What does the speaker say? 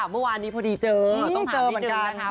เมื่อวานมีพอดีเจอต้องถามนิดนึงนะคะ